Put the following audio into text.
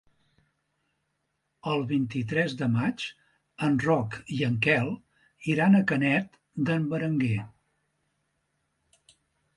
El vint-i-tres de maig en Roc i en Quel iran a Canet d'en Berenguer.